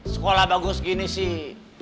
sekolah bagus gini sih